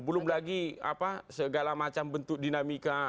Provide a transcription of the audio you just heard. belum lagi segala macam bentuk dinamika